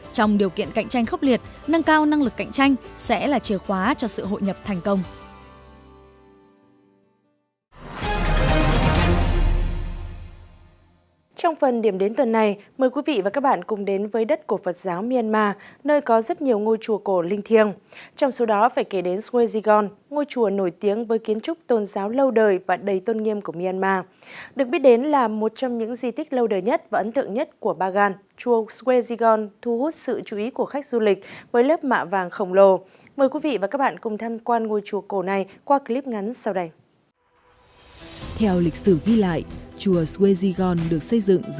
trong điều kiện cạnh tranh khốc liệt nâng cao năng lực cạnh tranh sẽ là chìa khóa cho sự hội nhập thành công